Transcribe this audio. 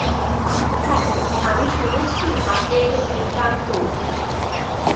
হ্যাঁ, আমি শুনেছি আপনি একজন দুর্দান্ত উকিল।